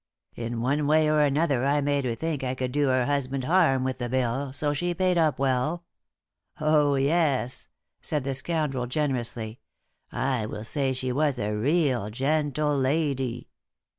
In one way or another I made her think I could do her husband harm with the bill, so she paid up well. Oh, yes," said the scoundrel, generously, "I will say she was a real gentle lady."